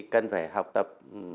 có một hình thức